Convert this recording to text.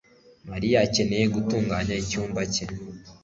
Mariya akeneye gutunganya icyumba cye